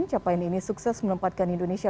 capaian ini sukses menempatkan indonesia